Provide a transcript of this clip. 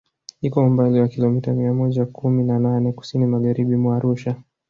Iko umbali wa kilomita mia moja kumi na nane Kusini Magharibi mwa Arusha